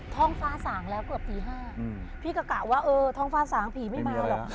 ท้องฟ้าสางแล้วเกือบตี๕พี่ก็กะว่าเออท้องฟ้าสางผีไม่มาหรอก